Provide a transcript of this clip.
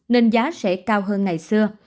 nên giá sẽ cao hơn ngày xưa